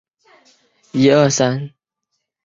首先是航图的流通和完整性。